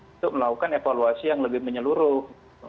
untuk melakukan evaluasi yang lebih menyeluruh